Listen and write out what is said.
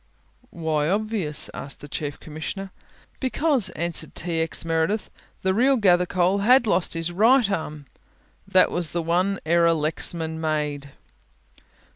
"Why obvious?" asked the Chief Commissioner. "Because," answered T. X. Meredith, "the real Gathercole had lost his right arm that was the one error Lexman made."